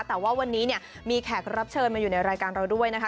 แต่ว่าวันนี้เนี่ยมีแขกรับเชิญมาอยู่ในรายการเราด้วยนะคะ